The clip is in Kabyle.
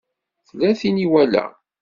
Tella tin i walaɣ.